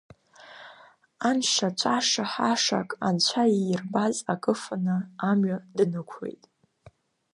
Анша, ҵәаша-ҳашак анцәа иирбаз акы ыфаны, амҩа дықәлахт.